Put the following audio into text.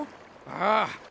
ああ。